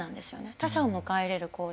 他者を迎え入れる行為。